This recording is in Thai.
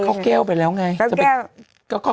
เขาแก้วไปแล้วไง